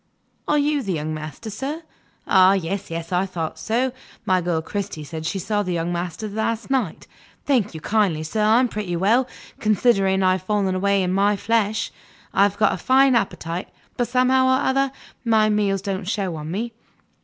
"Are you the young master, sir? Ah, yes, yes; I thought so. My girl Cristy said she saw the young master last night. Thank you kindly, sir; I'm pretty well, considering how I've fallen away in my flesh. I have got a fine appetite, but somehow or other, my meals don't show on me.